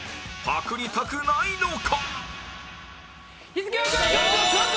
パクりたくないのか？